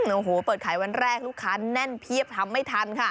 โอ้โหเปิดขายวันแรกลูกค้าแน่นเพียบทำไม่ทันค่ะ